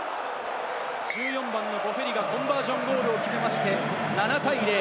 １４番のボッフェリがコンバージョンゴールを決めまして、７対０。